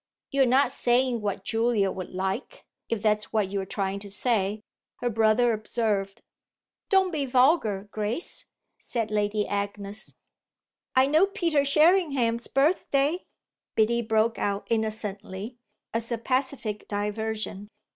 "You're not saying what Julia would like, if that's what you are trying to say," her brother observed. "Don't be vulgar, Grace," said Lady Agnes. "I know Peter Sherringham's birthday!" Biddy broke out innocently, as a pacific diversion.